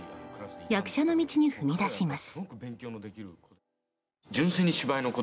役者の道に踏み出します。